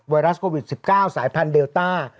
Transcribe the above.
ไรัสโควิด๑๙สายพันธุเดลต้า